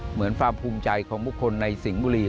เหมือนความภูมิใจของบุคคลในสิงห์บุรี